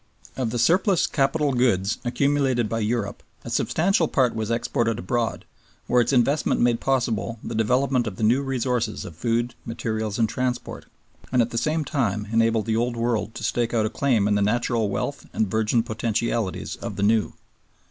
Of the surplus capital goods accumulated by Europe a substantial part was exported abroad, where its investment made possible the development of the new resources of food, materials, and transport, and at the same time enabled the Old World to stake out a claim in the natural wealth and virgin potentialities of the New.